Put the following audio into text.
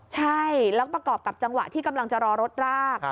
ใช่แล้วประกอบกับจังหวะที่กำลังจะรอรถราก